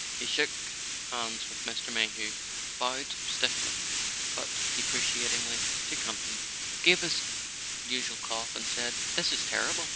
He shook hands with Mr. Mayhew, bowed stiffly but deprecatingly to Campton, gave his usual cough, and said: "This is terrible."